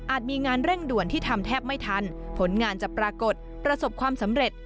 มีงานเร่งด่วนที่ทำแทบไม่ทันผลงานจะปรากฏประสบความสำเร็จ